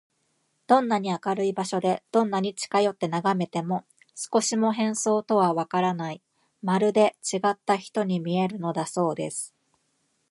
どんなに明るい場所で、どんなに近よってながめても、少しも変装とはわからない、まるでちがった人に見えるのだそうです。